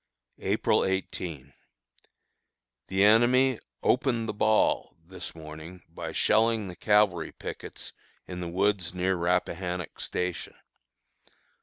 April 18. The enemy "opened the ball" this morning by shelling the cavalry pickets in the woods near Rappahannock Station.